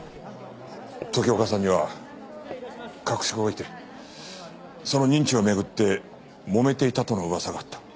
時岡さんには隠し子がいてその認知を巡ってもめていたとの噂があった。